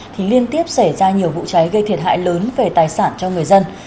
thì liên tiếp xảy ra nhiều vụ cháy gây thiệt hại lớn về tài sản cho người dân